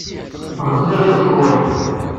Ɣziɣ iẓekwan.